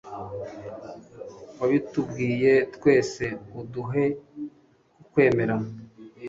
wabitubwiye, twese uduhe kukwemera